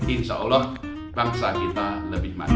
insya allah bangsa kita lebih maju